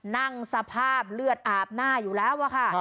นั่งสภาพเลือดอาบหน้าอยู่แล้วอะค่ะ